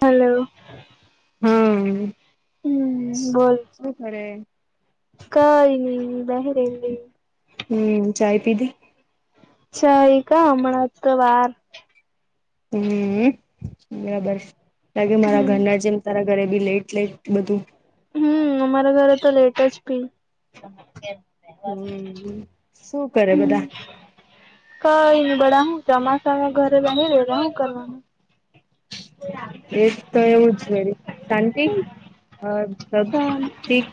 Hello. હા હમ બોલ શું કરરે‌ કઈ ની બેહી રેલી. હમ ચાય પીધી. ચાય ક્યાં હમણાં તો વાર, હમ બરાબર છે. લાગે મારા હમ ઘરના જેમ તારા ઘરે બી ‌લેટ લેટ બધું. હમ અમારા ઘરે તો લેટ જ પી. હમ શું કરે બધા, કઈની બધા હું ચોમાસામાં ઘરે બેહી રહેલા શું કરવાનું. એજ તો એવું જ વળી શાંતિ. ઓર સબ ઠીક.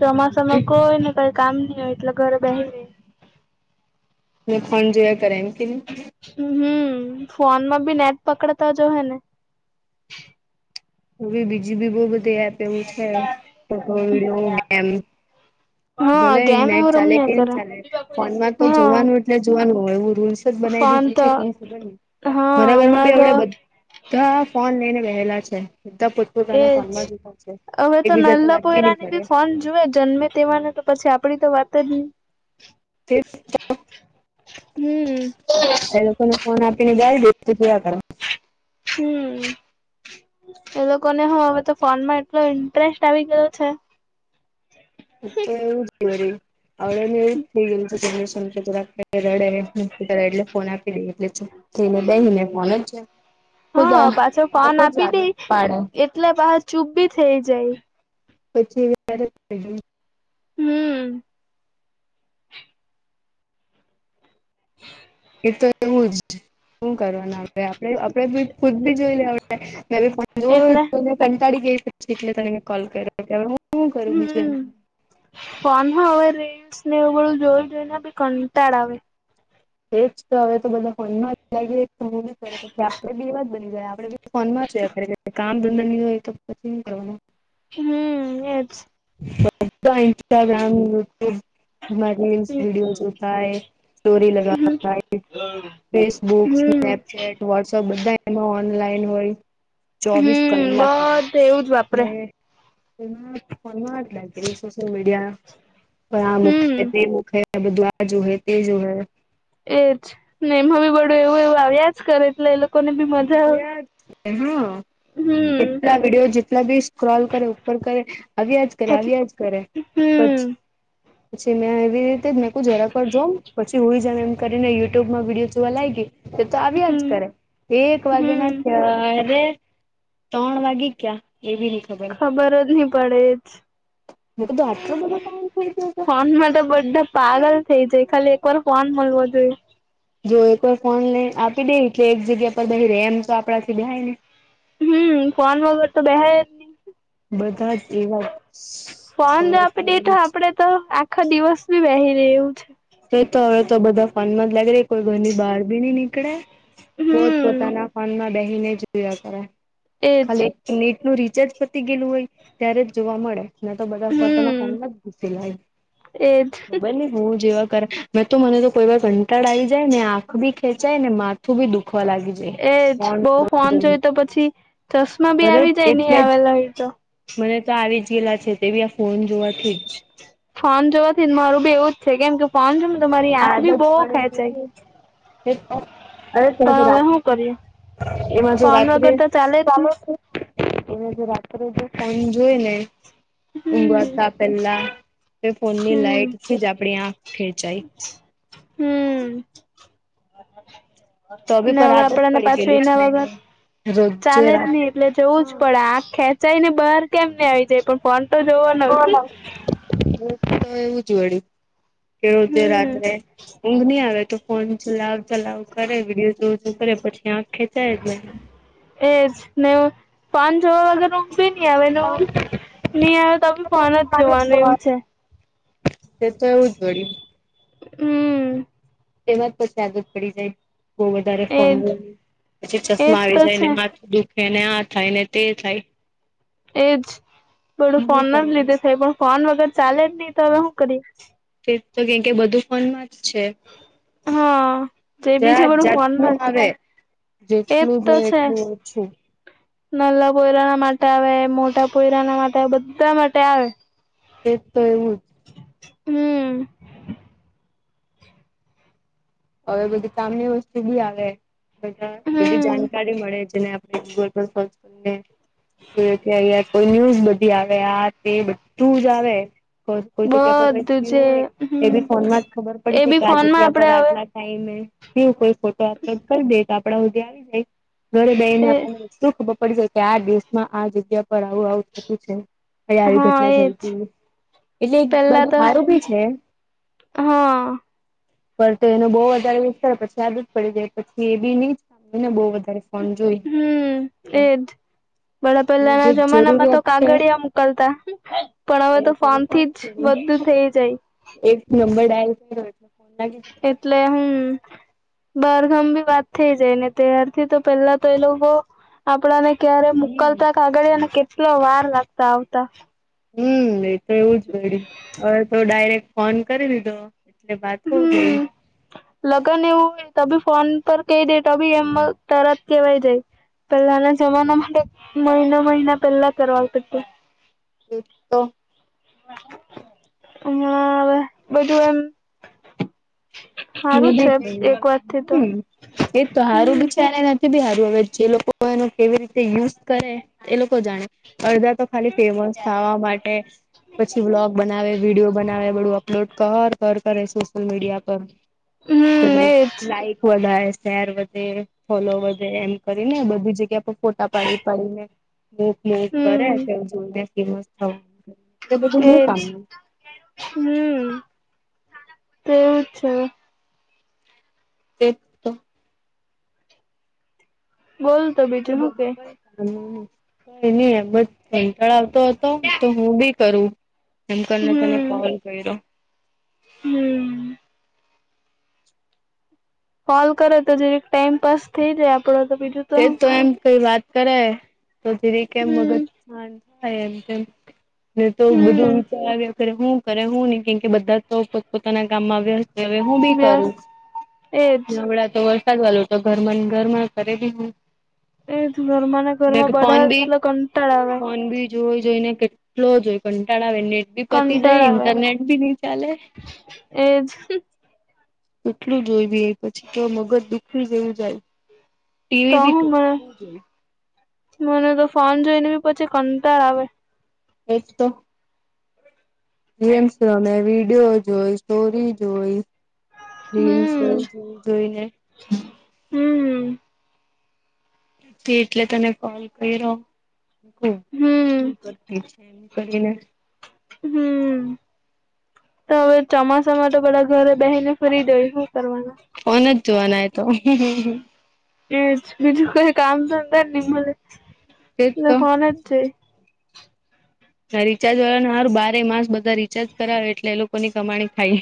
ચોમાસામાં ઠીક કોઈ ને કઈ કામ નઈ હોય એટલે ઘરે બેહી રહે. ફોન જોયા કરે એમ કે ને, હમ ફોન માં બી નેટ પકડતા જો હ ને. હો ભી બીજી બી બો બધી એપ એવું છે [unintelligible] એમ. હા ભલે ગેમ નેટ એવું ચાલે રમ્યા કે ન કરે ચાલે ફોનમાં તો હા જોવાનું એટલે જોવાનું હોય એવું‌ ધૂલસ જ બનાવી ફોન દીધી છે તો કે હું ખબર ન હા મારા ઘર માં હમણાં બીડ તો [unintelligible] બધા ફોન લઈને બહેલા છે‌. બધા પોતા પોતાના એજ ફોનમાં જ ઉભા છે એકબીજાથી કઈ વાત ની કરે. જુવે જન્મે તેવાને તો પછી આપડી તો વાત જ ની. તે હમ્મ. એ લોકો ને ફોન આપી ને જાય [unintelligible] કર. હમ્મ એ લોકોને હું હવે તો ફોન માં એટલો ઇન્ટરેસ્ટ આવી ગયો છે. એ તો એવું જ વળી. આવડે ને એવું થઈ ગયું છે [unintelligible] રડે એટલે ફોન આપી દઈ એટલે ચૂપ થઈને બેહી ને [unintelligible] જ્યાં હા પાછો ફોન આપી દઈ પાડે એટલે બહાર ચૂપ બી થઇ જાય. પછી [unintelligible] હમ્મ. હમ. તો એું જ શું કરવા આપે ખુદ બી જોઈ લેડ મે. જો એટલે તને કંટાળી ગઈ શક એટલે ત કોલ કર્યો કે હવે હું શું કરું બીજું એના પણન હ હવે રેલ્સ ને એવું બું જોયું જોઈ ને બી કંટાળ આવે. તેજ તો, હવે તો બધા ફનમાં જ લાગી સમ. આપે બે વાત બની ગયા, આપડે બી ફોનમાં છે. અરે, કામ ધંધા ની હોય તો પછી કરવાનું. હમ, એ જ. બધા ઇસ્ટાગ્રામ, યુટ્યુબ. તમા રીલ્સ, હમ વિડ્યો જ જોતા હોય, સ્ટોરી લગતા. ફેસબુક, હમ સ્નેપચે, ટ વોટ્સઅપ બધા એમાં ઓનલાઈન હોય. ચોવીસ હમ કલાક. બધે એવું જ વાપરે સોશિલ મીડિયા હમ પણ મુ ખે બધ જો હે તે જો હ [unintelligible] [inaudible] એજ ને, હ બહુ એવું એવું આવ્યા જ કરે, એટલે એ લોકો જોયા, હા, હમ કેટલા વિડીયો જેટલા બી સ્ક્રોલ કર્યો. પણ કરે, આવ્યા જ કરે, એટલે આવ્યા જ કરે, હમ પછી પછી મેં એવી રીતે જ મેંક જરા પર જોઉ, પછી હોય જ એમ કરીનેયુ્યુબમાં વિડીયો જોવા લાગી. તે તો આવ્યા જ હમ કરે. એક વાગ્યા ના હમ કરે, ત્રણ વાગે ક્યાં એવી રીતે. ખબર જ નહી પડે જ. મેં કીધું આટલો બધો ટાઈમ થઈ ગયો છે ફોનમાં તો બધા પાગલ થઇ જાય, ખાલી એક વાર ફોન મળવા જોઈએ. જો એકર ફોન લઈ આપી દે, એટલે એક જગ્યા પર રેમ તો આપડા થી જાય ને. હમ, ફોન વગેર તો બેહાય ની. બધા જ એવા ફોન સમ. જો આપી દે તો આપડે તો આખો દિવસ બી વહી રહવું છે. તો તો હવે તો બધા ફોનમાં જ લાગી રે, કોઈ ઘરની બહાર બી નહી નીકળે. છે હમ પોતાના ફોન માં બેહીને જોયા કરે, એજ ખાલી નેટ નું રિચાર્જ પતી ગયેલું હોય, ત્યારે જ જોવા મળે. તો બધા ફટના હમ ફોન ના જ ઘુસી લય એજ બને હું જેવા. મેં તો મને તો કોઈ વાર કંટાળ આવી જાય ને, આંખ ભી ખેંચાય ને, માથું બી દુખવા લાગી જાય. એ જ, ફોન બહુ જોઈ ફોન જોઈને જોય તો પછી ચશ્મા બી અરે આવી જાય ને, એટલે જ આવેલા હોય તો મને તો આવી જ ગયેલા છે, તે બી આ ફોન જોવાથી જ. ફોન જોવાથી ને, મારું બી એવું જ છે, કેમ કે ફોન જો તો મારી આંખ આદત ભી બહુ ખેંચાય. પડી અરે રા પણ હવે શું કરીએ એમાં ફોન રાત્રે વગર તો ચાલે જ ચાલ. નહી [unintelligible] એ જે રાત્રે જો ફોન જોઈ ને. હમ ઊઘરતા પહેલા ફોનની હમ લાઈટથી જ આપણી આંખ ખેંચાઈ. હમ. તો બી હવે પર આદત આપડા ને, પડી પાછું એના વગર ગયેલી છે રોજે ચાલે જ રાત તો નહીં. એટલે જવું જ પડે, આખ ખેંચાય ને બહાર કેમને આવી જાય, પણ ફોન તો જોવા નો જ. તો એવું જ વળી. કે રોજે હમ રાત્રે ઊંઘ નહી આવે, તો ફોન ચલાવ ચલાવ કરે. બજું કરે, પછી આં ખેચાય જ. એ જ ને, ફોન જોવા વગર ઊંધ નહીં તે આવે, નહીં આવે તો બી ફોન જ જોવાનું, એવું છે. તે તો એવું જ વળી. હમ. એમાં જ પછી આદત પડી જાય. બહુ વધારે એજ ફ, પછી એજ ચશ્મા આવી તો છે જાય મા દુખ. એને આ થાય ને, તે થાય. એજ. થોડું ફોન ના જ લીધે થાય. પણ ફોન વગર ચાલે જ નહી તો, હવે શું કરી? તે તો કે, કે બધું ફોનમાં જ છે. હા જે જ બી છે બધું જાતનું ફોનમાં હવે. જ એજ જેટલું તો જો, છે એટલું ઓછું. નાલા પોયરાના માટે આવે. મોટા પોયરાના માટે આવે. બધા માટે આવે. એ તો એવું. હમ! હવે બધી કામની વસ્તુ બી આવે. બધા બધી હમ જાણકારી મળે, જેને આપણે ગૂગલ પર સર્ચ. જો કે અહ કોઈ ન્યુઝ બધી આવે. આ તે બધું જ આવે. કોઈ જગ્યા પર ક બધું જયું જે હોય. એ હમ બી ફોન માં જ ખબર પડી એ જાય. બી કે આ ફોનમાં જગ્યા આપડે પર હવે આટલા. ટાઈમેવું કોઈ ફોટો અપલોડ કરી દે તો, આપડા સુધ આવી જાય. ઘરે બેઈ ને એ શું ખબર પડી જ કે, આ દેશમાં આ જગ્યા પર આવું આવું થતું છે. હવે આવી હા ઘટના થઈ એજ હતી. એટલે એક પેલા બાધું તો સારું ભી છે. હા! ફ તો એનો બહુ વધારે વિસ્તાર પછી યાદ જ પડી જાય. પછી એ બી હી હને બહુ વધારે ફોન જોય. બડા પેલા ના જમાના માં તો કાગળિયા છે મોકલતા. પણ હવે તો ફાનથી જ એ વધુ થઇ જાય. એક નંબર ડાયલ થઈ્યો. એટલે ફોન લાગી જ. એટલે હમ! બારગામ ભી વાત થઈ જાય. ને ત્યારથી તો પેલા તો એ લોકો. આપડાને ક્યારે હમ. મોકલતા કાગળને કેટલા વાર લાગતા આવતા. હમ એ તો એવું જ વળ્યું હવે તો ડાયરેક્ટ ફોન કરી લીધો. એટલે વાત હો ગઈ. હમ લગન એ હું તી ફોન પર કઈ ડે તાી એમ ત. કેવાય જાય. પહેલાના જમાના માટે મહિના મહિના પહેલા કરવા. એ તો. હા અવે. બદ્દુ એમ. હી સારું છે એક વાતથી તો હ એ તો સારું હમ બી છે નથી. બી હારું વવેર છે. એ લોકો એનો કેવી રીતે યુઝ કરે. એ લોકો જાણે. અડદા તો ખાલી ફેમસ થવા માટે. પછી બ્લોગ બનાવે. વિડીયો બનાવે. ડું અપલોડ કર કર કરે. સોશિયલ મીડિયા પર. હમ એજ લાઈક વગા. શેર વધે. ફોલો વધે. એમ કરીને બધી જગ્યા પર ફોટા પાડી પાડીને. બૂક મોક કરે. હમ કે જોને ફેમસ થવાનું. એ બધું હું એજ. કામનું હમ તેવુંજ છે. તે તો. બોલતો બ. [inaudible] હ એની એમ જ કંચળ આવતો હતો. તો હું બી કરું. એમ કરીને પેલે હમ કોલ કર્યો. હમ! કોલ કરે તો, જેવી ટાઈમ પાાસ થઈ જાય. આપડો તો બીજું. તે તો એમ કઈ વાત કરે. તો ધીરેી કેમ વગર. હમ હ થાય. એમ કે ને તો બધુંચ. હમ હું કરે હું હ કેમ બધા પોત પોતાના કામમાં આવ્યા. હવે હું બી કરું. વ્યસ્ત એજ નવડા તો વરસાદ વાળું તો. ઘરમ ગરમ કર. રેડી હું. એ ઘરમાં ના ઘરમાં. ફોન બધા બી એટલા કંટાળ આવે. ફોન બી જોઈ જોઈ ને કેટલો જોય કંટાળ આવે નેટ બી પતી જાય કંટાળ આવે ઇન્ટરનેટ બી નઈ ચાલે એજ એટલું જોઈવી એ પછી તો મગજ દુખી ગવું જાય તો ટીવી બી હું મને કેટલું જોઈ મને તો ફોન જોઈને બી પછી કંટાર આવે એક તો ગેમ્સ રમે વિડીયો જોઈ સ્ટોરી જોઈ રીલસ એવું હમ જોય જોઈને હમ હ એટલે તને કોલ કરી રહો હમ શું કરતી એમ કરીને હમ તો હવે ચોમાસા માટે તો બધા ઘરે બહેને ફરી દઈ શું કરવાનું ફોન જ જોવાનાય તો એજ બીજું કોઈ કામ ધંધાર નની ભલે તેજ તો ત ફોન જ રિચાર્જ વાળાને સારું બારે માસ બધા રિચાર્જ કરાવે એટલે એ લોકોની કમાણી થાય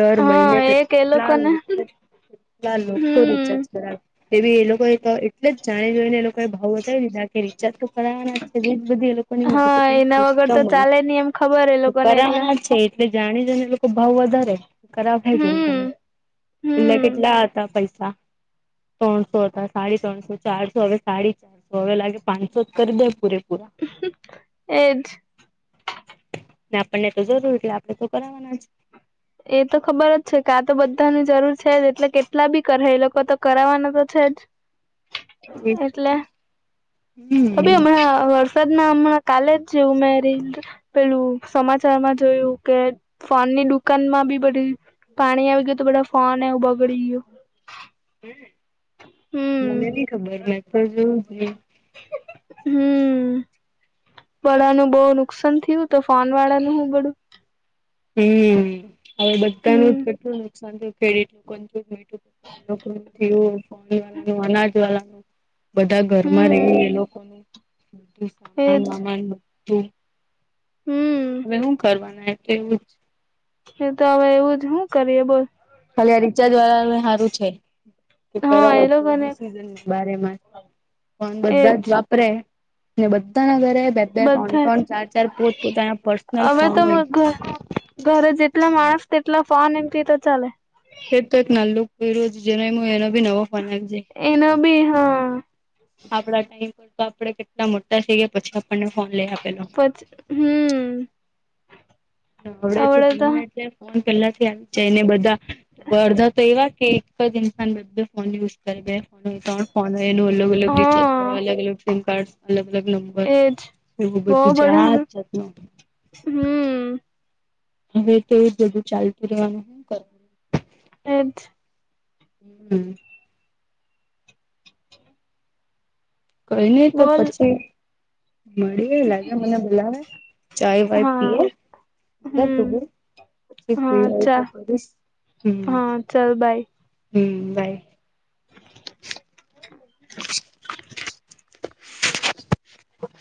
દર મહિને હા એક એ કેટલા લોકોને લોકો કેટલા લોકો રિચાર્જ હમ કરાવે એવી એ લોકોએ તો એટલે જ જાણે જોઈને એ લોકોએ ભાવ બતાવી દીધા કે રચા ના છે બધી એ લોકોની હા માર્કેટંગ એના વગર તો સિસ્ટમ ચાલે નહી એમ ખબર એ લોકોને એટલે હોયના છે એટલે જાણી જાઈને એ લોકો ભાવ વધારે ખરાબ થાય છે એમ હમ એટલા હમ કેટલા હતા? પૈસા ત્રણસો હતા સાડી ત્રણસો ચારસો હવે સાડી ચ તો હવે લાગે પાંચસો જ કરી દે પૂરેપૂરા એજ આપણને તો જરૂર એટલે આપડે તો કરવાના જ એ તો ખબર જ છે કે આ તો બધાની જરૂર છે જ એટલે કેટલા બી કરે એ લોકો તો કરાવવાના તો છે જ [unintelligible] તબ હમણા સદ ના હમણાં કાલે જ જેવું મેરી પેલું સમાચારમાં જોયું કે ફોન ની દુકાન માં બી બધી પાણી આવી ગયું તો બધા ફોન એવું બગડી ગયો હ મને નઈ હમ ખબર મેં તો જોવું હમ બધા નું બહુ નુકસાન થયું તો ફોન વાળાનું હું બળું હમ હવે બધાનું હમ કેટલું નુકસાન થયું કેટું મું ફોન વાળાનું અનાજ વાળાનું બધા ઘરમાં રહી એ હમ લોકો બધું સામાન એજ વામાન બું હમ હવે શું કરવાના એટલે એવું જ એ તો હવે એવું જ શું કરીએ બોલ ખાલી આ રીચાર્જ વાળા અ સારું છે હા કરાવે એ છે લોકોને ને બારેમાસ ફોન બધા એજ જ વા બધાના ઘરે બે બે ત્રણ બધા ત્રણ જ ચાર ચાર પોત પોતાના પર્સનલ હવે ફોન તો હોય ઘરે જેટલા માણસ તેટલા ફોન એન્ટ્રી તો ચાલે એ તો એક ના જેનો હ [unintelligible] આપજાય. એનો બી હા આપડા ટાઈમતા આપડે કેટલા મોટા થઈ ગયા પછી આપણને ફોન લઈ આપ. પછી હમ આવડે તો [unintelligible] ફન પેલા થી આવી જાયને બધા બડધા તો એવા કે એક જ ઇન્સાન બ ફોન યુઝ કરે બે ફોન હોય ત્રણ ફોન હોય એનું અલગ અલગ રિચાર્જ હા કરવા અલગ અલગ સિમ કાર્ડસ અલગ અલગ નંબર એજ એવું બહુ બધું જાત બધાનું જાત ન હમ! હવે તો એવું જ બધું ચાલતું રહેવાનું- હું કરવાનું એજ- હમ! કઈ નહી તો બોલ પછી- મળી લાગે મને બોલાવે ચાય વાય હા પીએ- હમ પછી ફ્રી હા હોય તો ચા કરીશ હા ચાલ બાય હમ બાઇ [unintelligible] [unintelligible] [unintelligible]